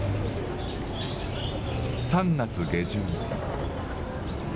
３月下旬。